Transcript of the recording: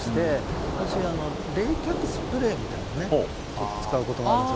私、冷却スプレーみたいなものを使うことが多いです。